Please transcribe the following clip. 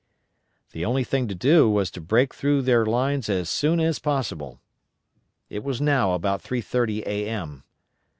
The only thing to do was to break through their lines as soon as possible. It was now about 3:30 A.M.